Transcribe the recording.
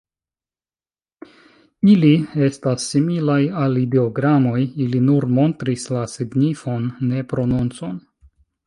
Ili estas similaj al ideogramoj: ili nur montris la signifon, ne prononcon.